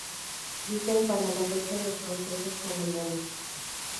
Existen para la fecha los consejos comunales